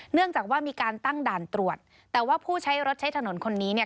เนื่องจากว่ามีการตั้งด่านตรวจแต่ว่าผู้ใช้รถใช้ถนนคนนี้เนี่ย